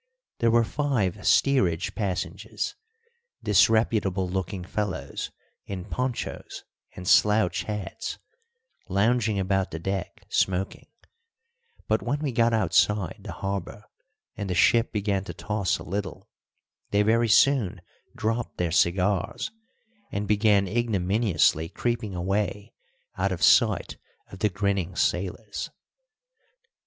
There were five steerage passengers, disreputable looking fellows in ponchos and slouch hats, lounging about the deck smoking; but when we got outside the harbour and the ship began to toss a little, they very soon dropped their cigars and began ignominiously creeping away out of sight of the grinning sailors.